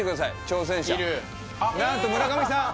挑戦者なんと村上さん